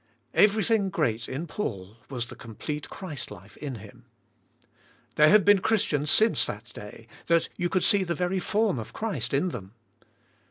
Everything great in Paul was the complete Christ life in him. There have been Christians since that day, that you could see the very form of Christ in them.